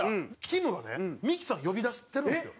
きむがねミキさん呼び出してるんですよ。